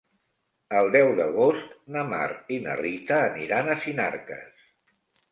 El deu d'agost na Mar i na Rita aniran a Sinarques.